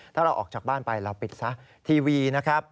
ถ้าเราออกจากบ้านไปเราปิดซะทีวีนะครับ